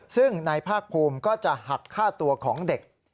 ซึ่งนายภาคภูมิก็จะหักค่าตัวของเด็ก